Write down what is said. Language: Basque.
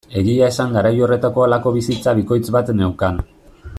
Egia esan garai horretan halako bizitza bikoitz bat neukan.